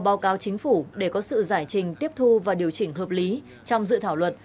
báo cáo chính phủ để có sự giải trình tiếp thu và điều chỉnh hợp lý trong dự thảo luật